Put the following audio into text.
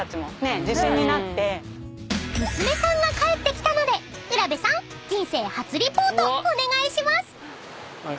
［娘さんが帰ってきたので卜部さん人生初リポートお願いします］